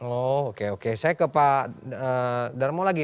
oh oke oke saya ke pak darmo lagi